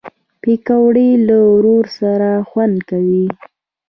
پکورې له ورور سره خوند کوي